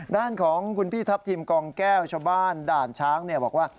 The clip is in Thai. ด้านของคุณพี่ทัพทิมกองแก้วชาวบ้านด่านช้างบอกว่า